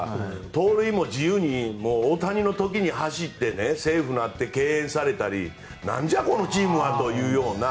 盗塁も自由に大谷の時に走ってセーフになって敬遠されたり、なんじゃこのチームはというような。